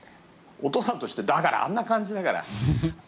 お父さんとしてだから、あんな感じだから。